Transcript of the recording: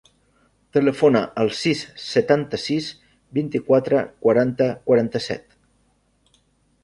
Telefona al sis, setanta-sis, vint-i-quatre, quaranta, quaranta-set.